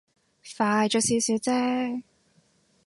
快咗少少啫